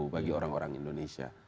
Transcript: bagi orang orang indonesia